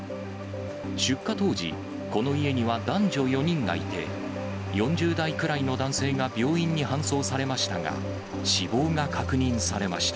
出火当時、この家には男女４人がいて、４０代くらいの男性が病院に搬送されましたが、死亡が確認されました。